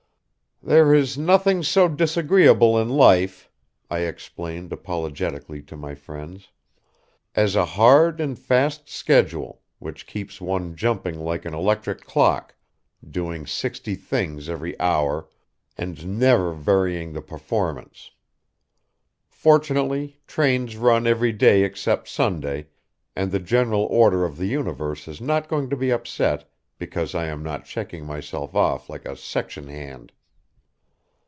"There is nothing so disagreeable in life," I explained apologetically to my friends, "as a hard and fast schedule, which keeps one jumping like an electric clock, doing sixty things every hour and never varying the performance. Fortunately trains run every day except Sunday, and the general order of the universe is not going to be upset because I am not checking myself off like a section hand."